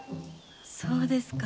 そうですか。